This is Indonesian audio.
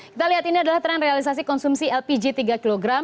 kita lihat ini adalah tren realisasi konsumsi lpg tiga kg